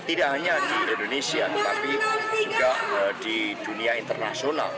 tidak hanya di indonesia tetapi juga di dunia internasional